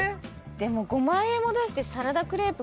でも５万円も出してサラダクレープ。